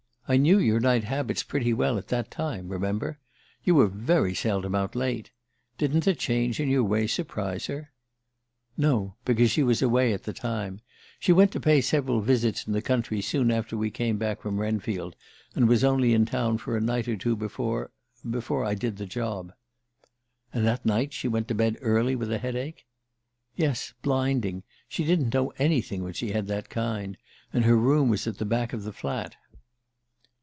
I knew your night habits pretty well at that time, remember. You were very seldom out late. Didn't the change in your ways surprise her?" "No; because she was away at the time. She went to pay several visits in the country soon after we came back from Wrenfield, and was only in town for a night or two before before I did the job." "And that night she went to bed early with a headache?" "Yes blinding. She didn't know anything when she had that kind. And her room was at the back of the flat."